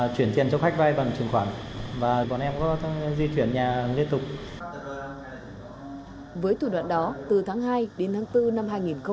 từ tháng hai đến tháng bốn năm hai nghìn hai mươi ba